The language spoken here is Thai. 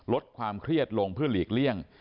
ลดความเครียดลงเพื่อหลีกเลี่ยง